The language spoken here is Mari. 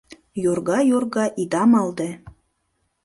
«Йорга-йорга» ида малде